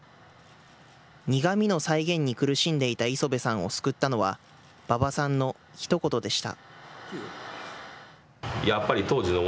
苦みの再現に苦しんでいた磯部さんを救ったのは、馬場さんのひと言でした。